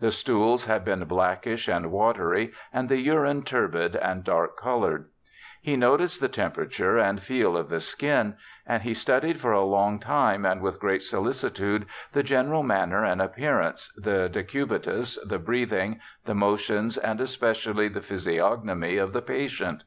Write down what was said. The stools had been blackish and watery, and the urine turbid and dark colored. He noticed the temperature and feel of the skin, and he studied for a long time and with great solicitude the general manner and appearance, the decubitus, the breathing, the motions, and especially the physiognomy of the patient.